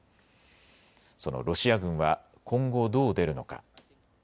そのロシア軍は今後どう出るのか。